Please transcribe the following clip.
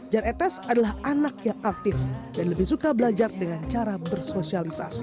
jan etes adalah anak yang aktif dan lebih suka belajar dengan cara bersosialisasi